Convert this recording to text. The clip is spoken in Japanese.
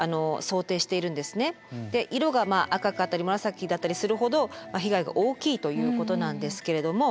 色が赤かったり紫だったりするほど被害が大きいということなんですけれども。